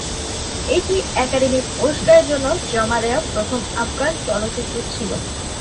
এটি একাডেমি পুরস্কারের জন্য জমা দেওয়া প্রথম আফগান চলচ্চিত্র ছিল।